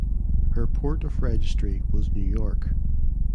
Her port of registry was New York.